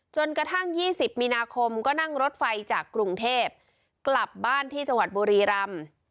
กระทั่ง๒๐มีนาคมก็นั่งรถไฟจากกรุงเทพกลับบ้านที่จังหวัดบุรีรำ